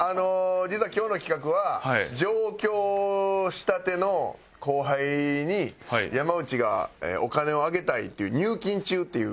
実は今日の企画は上京したての後輩に山内がお金をあげたいっていう入金中っていう。